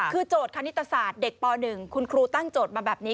คือโจทย์คณิตศาสตร์เด็กป๑คุณครูตั้งโจทย์มาแบบนี้